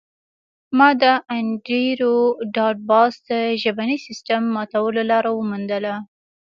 ما د انډریو ډاټ باس د ژبني سیستم ماتولو لار وموندله